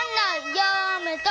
やめた！